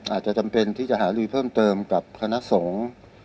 อาจจะจำเป็นที่จะหาลือเพิ่มเติมกับคณะสงฆ์